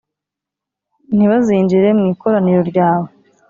«Ntibazinjire mu ikoraniro ryawe!»